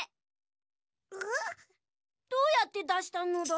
どうやってだしたのだ？